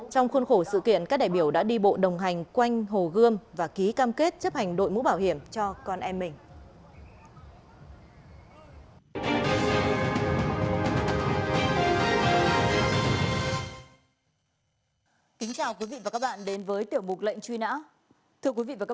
trong khuôn khổ sự kiện các đại biểu đã đi bộ đồng hành quanh hồ gươm và ký cam kết chấp hành đội mũ bảo hiểm cho con em mình